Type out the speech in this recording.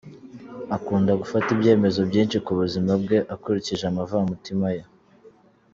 Akunda gufata ibyemezo byinshi ku buzima bwe akurikije amavamutima ye.